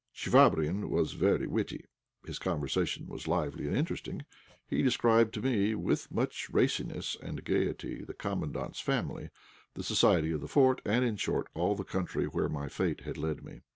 Chvabrine was very witty. His conversation was lively and interesting. He described to me, with, much raciness and gaiety, the Commandant's family, the society of the fort, and, in short, all the country where my fate had led me.